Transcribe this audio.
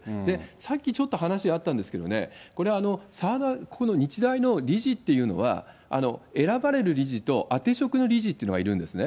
さっきちょっと話しあったんですけどね、これ、この日大の理事っていうのは、選ばれる理事と、あて職の理事っていうのがいるんですね。